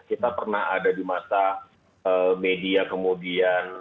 kita pernah ada di masa media kemudian